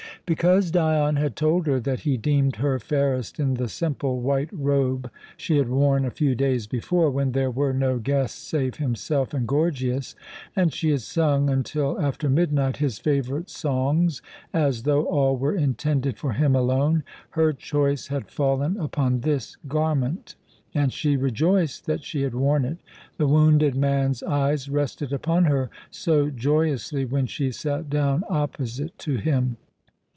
Because Dion had told her that he deemed her fairest in the simple white robe she had worn a few days before, when there were no guests save himself and Gorgias, and she had sung until after midnight his favourite songs as though all were intended for him alone, her choice had fallen upon this garment. And she rejoiced that she had worn it the wounded man's eyes rested upon her so joyously when she sat down opposite to him.